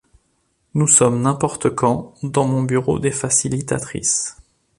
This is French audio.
Nous sommes n’importe quand, dans mon bureau des facilitatrices.